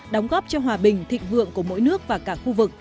đóng góp cho hòa bình thịnh vượng của mỗi nước và cả khu vực